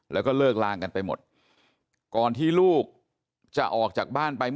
แล้วก็ยัดลงถังสีฟ้าขนาด๒๐๐ลิตร